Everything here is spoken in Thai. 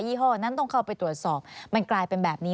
ี่ห้อนั้นต้องเข้าไปตรวจสอบมันกลายเป็นแบบนี้